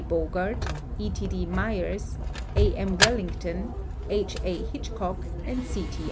Bogart, E. T. D. Myers, A. i\I. Wellington, H. A. Hitchcock, and C. T.